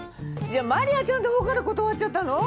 じゃあ真理亜ちゃんのほうから断っちゃったの？